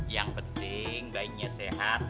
yang penting ga inginnya sehat